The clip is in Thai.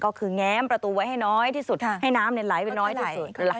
ก็คือแง้มประตูไว้ให้น้อยที่สุดให้น้ำไหลไปน้อยที่สุด